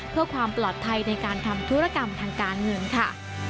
เพื่อความปลอดภัยในการทำธุรกรรมทางการเงินค่ะ